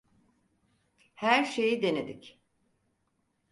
Her şeyi denedik.